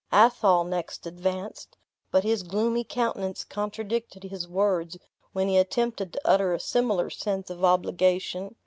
Athol next advanced, but his gloomy countenance contradicted his words when he attempted to utter a similar sense of obligation.